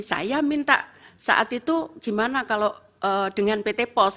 saya minta saat itu gimana kalau dengan pt pos